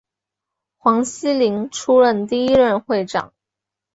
黄锡麟出任第一任会长。